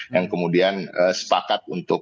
yang kemudian sepakat untuk